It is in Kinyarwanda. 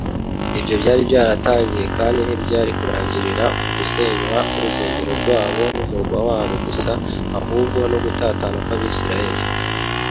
ibyo byari byaratangiye, kandi ntibyari kurangirira ku gusenywa k’urusengero rwabo n’umurwa wabo gusa, ahubwo no ku gutatana kw’abisirayeli